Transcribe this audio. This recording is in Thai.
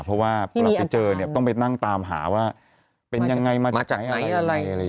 เพราะว่าเจอต้องไปนั่งตามหาว่าเป็นยังไงมาจากไหนอะไรอย่างนี้